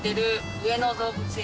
上野動物園。